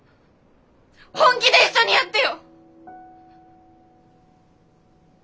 本気で一緒にやってよ！